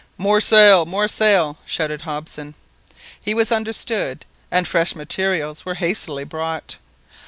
"More sail! more sail!" shouted Hobson. He was understood, and fresh materials were hastily brought.